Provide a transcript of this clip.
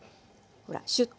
ほらシュッと。